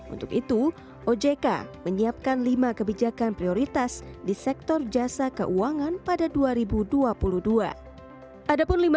untuk itu ojk menyiapkan lima kebijakan prioritas di sektor jasa keuangan pada dua ribu dua puluh dua